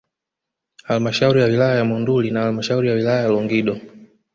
Halmashauri ya wilaya ya Monduli na halmashauri ya wilaya ya Longido